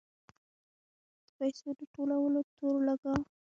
د پیسو د ټولولو تور لګاوه.